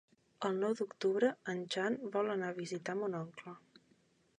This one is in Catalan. El nou d'octubre en Jan vol anar a visitar mon oncle.